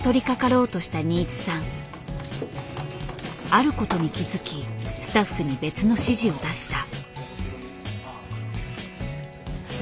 あることに気づきスタッフに別の指示を出した。